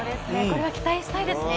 これは期待したいですね。